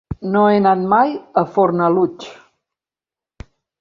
No he anat mai a Fornalutx.